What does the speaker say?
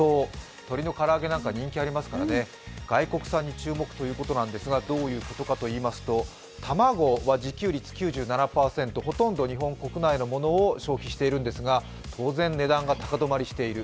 鶏の唐揚げなんか人気がありますからね、外国産に注目ということなんですが、どういうことかといいますと卵は自給率９７％、ほとんど日本国内のものを消費していますが当然、値段が高止まりしている。